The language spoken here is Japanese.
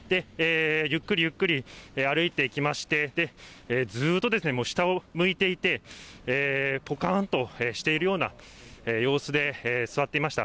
ゆっくりゆっくり歩いてきまして、ずっと下を向いていて、ぽかんとしているような様子で、座っていました。